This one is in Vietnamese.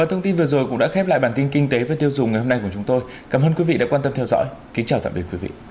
hãy đăng ký kênh để ủng hộ kênh mình nhé